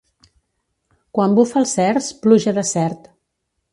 Quan bufa el cerç, pluja de cert.